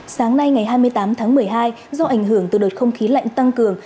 sáng nay ngày hai mươi tám tháng một mươi hai do ảnh hưởng từ đợt không khí lạnh tăng cường